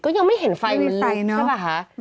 ก็ยังไม่เห็นไฟมันใส่ใช่ป่ะคะ